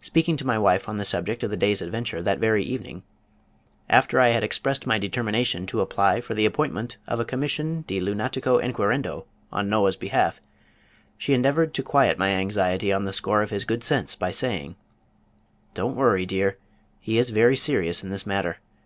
Speaking to my wife on the subject of the day's adventure that very evening, after I had expressed my determination to apply for the appointment of a Commission De Lunatico Enquirendo on Noah's behalf, she endeavored to quiet my anxiety on the score of his good sense by saying: "Don't worry, dear. He is very serious in this matter.